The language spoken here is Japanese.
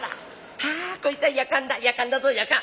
『はこいつはやかんだやかんだぞやかん』。